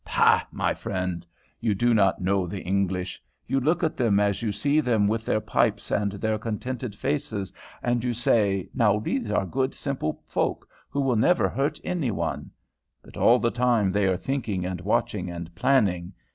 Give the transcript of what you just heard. "Pah, my friend, you do not know the English. You look at them as you see them with their pipes and their contented faces, and you say, 'Now, these are good, simple folk who will never hurt any one.' But all the time they are thinking and watching and planning.